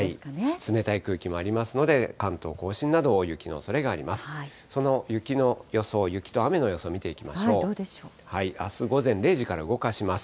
冷たい空気もありますので、関東甲信なども雪のおそれがあります。